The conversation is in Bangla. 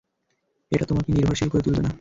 এটা তোমাকে নির্ভরশীল করে তুলবে না।